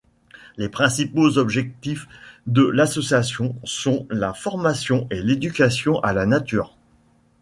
Les principaux objectifs de l'association sont la formation et l'éducation à la nature.